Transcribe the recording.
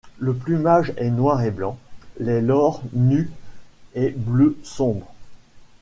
Le plumage est noir et blanc, les lores nus et bleu sombre.